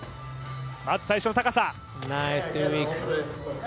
まず最初の高さ。